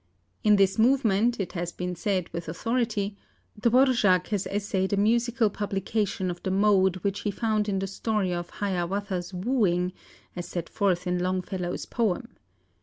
In this movement, it has been said with authority, Dvořák has essayed a musical publication of the mode which he found in the story of Hiawatha's wooing, as set forth in Longfellow's poem.